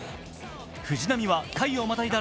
藤浪は回をまたいだ